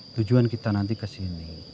tujuan kita nanti ke sini